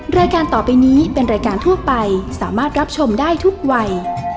รายการต่อไปนี้เป็นรายการทั่วไปสามารถรับชมได้ทุกวัย